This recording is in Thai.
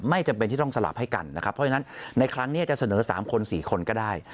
จำเป็นที่ต้องสลับให้กันนะครับเพราะฉะนั้นในครั้งนี้จะเสนอ๓คน๔คนก็ได้